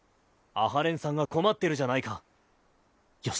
阿波連さんが困ってるじゃないか。